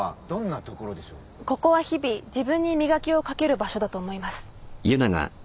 ここは日々自分に磨きをかける場所だと思います。